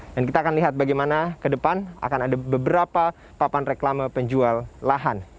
dan kita akan lihat bagaimana ke depan akan ada beberapa papan reklame penjual lahan